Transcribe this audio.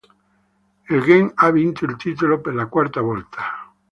Il Genk ha vinto il titolo per la quarta volta.